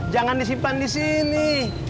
jangan disimpan di sini